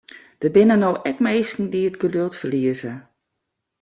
Der binne no ek minsken dy't it geduld ferlieze.